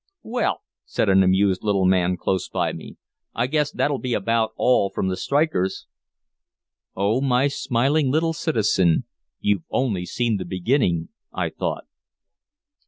"Well," said an amused little man close by me, "I guess that'll be about all from the strikers." "Oh my smiling little citizen you've only seen the beginning," I thought.